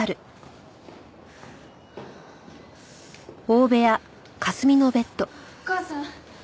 お母さん！